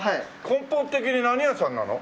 根本的に何屋さんなの？